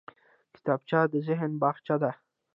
کتابچه د ذهن باغچه ده